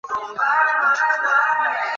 赞科夫的行径引起共产国际的谴责。